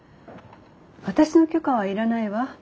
私の許可はいらないわ。